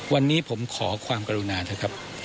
วันนี้ผมขอความกรุณาเถอะครับ